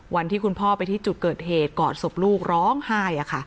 วันที่คุณพ่อไปที่จุดเกิดเหตุกอดศพลูกร้องไห้